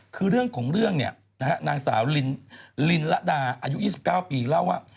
คือเรื่องของเรื่องเนี่ยนะฮะนางสาวลินระดาอายุ๒๙ปีเล่าว่า